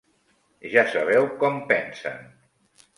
Ja sabeu com pensen.